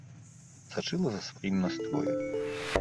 Сачыла за сваім настроем.